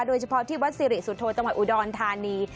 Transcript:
โดยเฉพาะที่วัดสิริสุโธจังหวัดอุดรธานี